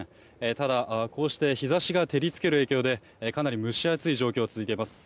ただ、こうして日差しが照りつける影響でかなり蒸し暑い状況が続いています。